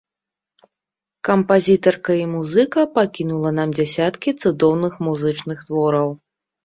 Кампазітарка і музыка пакінула нам дзясяткі цудоўных музычных твораў.